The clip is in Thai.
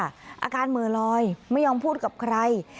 อาการเหมือลอยไม่ยอมพูดกับใคร